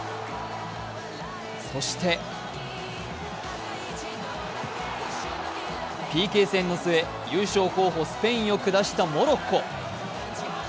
そして、ＰＫ戦の末、優勝候補・スペインを下したモロッコ。